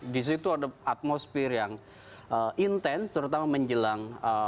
di situ ada atmosphere yang intense terutama menjelang baiknya